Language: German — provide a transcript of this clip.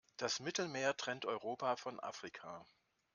Das Mittelmeer trennt Europa von Afrika.